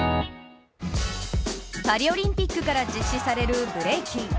パリオリンピックから実施されるブレイキン。